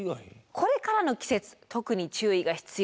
これからの季節特に注意が必要。